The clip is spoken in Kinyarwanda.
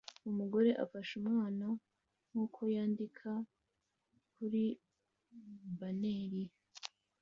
Umugore afashe umwana nkuko yandika kuri banneri